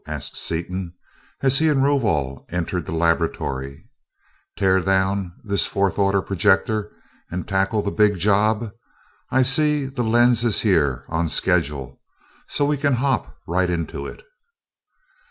asked Seaton as he and Rovol entered the laboratory, "Tear down this fourth order projector and tackle the big job? I see the lens is here, on schedule, so we can hop right into it."